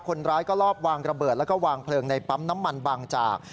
คนร้ายก็ลอบวางระเบิดแล้วก็วางเพลิงในปั๊มน้ำมันบางจาก